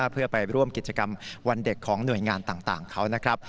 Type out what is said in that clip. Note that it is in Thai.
เพื่อไปร่วมกิจกรรมวันเด็กของหน่วยงานต่างเขานะครับ